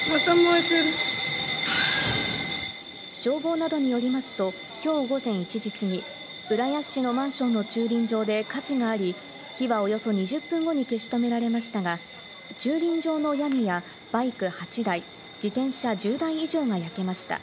消防などによりますと今日午前１時過ぎ、浦安市のマンションの駐輪場で火事があり、火はおよそ２０分後に消し止められましたが、駐輪場の屋根やバイク８台、自転車１０台以上が焼けました。